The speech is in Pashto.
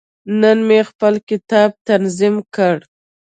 نن مې خپل کتاب تنظیم کړ.